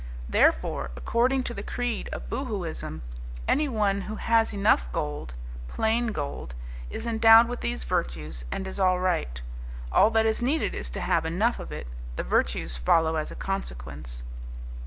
Therefore, according to the creed of Boohooism, anyone who has enough gold, plain gold, is endowed with these virtues and is all right. All that is needed is to have enough of it; the virtues follow as a consequence.